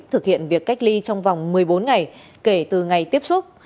thực hiện việc cách ly trong vòng một mươi bốn ngày kể từ ngày tiếp xúc